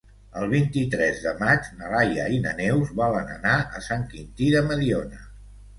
El vint-i-tres de maig na Laia i na Neus volen anar a Sant Quintí de Mediona.